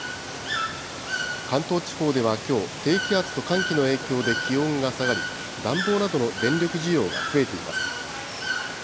関東地方ではきょう、低気圧と寒気の影響で気温が下がり、暖房などの電力需要が増えています。